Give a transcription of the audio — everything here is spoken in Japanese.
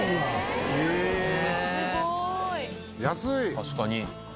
確かに。